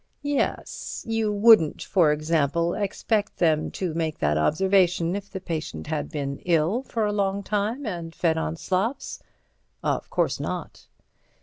"Yes, you wouldn't, for example, expect them to make that observation if the patient had been ill for a long time and fed on slops." "Of course not."